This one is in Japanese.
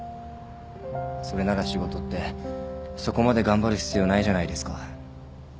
それなら仕事ってそこまで頑張る必要ないじゃないですか。